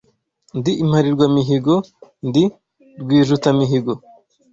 Ndi impalirwa mihigo, ndi rwijutamihigo